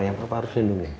yang papa harus lindungi